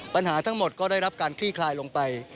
ปัญหาทั้งหมดก็ได้รับการคลี่คลายลงไป